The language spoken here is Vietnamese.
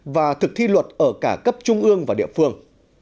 và thực thi luật ở cả cấp trung ương và địa phương